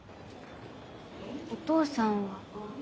お父さんは？